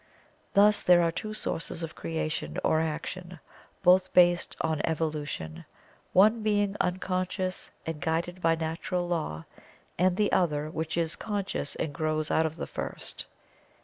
Thus, there are two sources of Creation or Action, both based on Evolution, one being unconscious and guided by Natural Law, and the other which is conscious and grows out of the first.